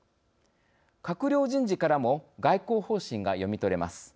閣僚人事からも外交方針が読み取れます。